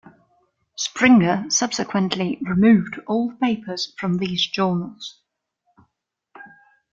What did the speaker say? Springer subsequently removed all the papers from these journals.